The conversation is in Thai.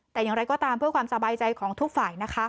แต่อย่างไรก็ตามเพื่อความสบายใจของทุกฝ่ายนะคะ